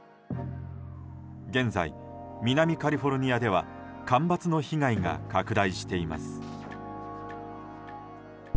現在、南カリフォルニアでは干ばつの被害が拡大しています。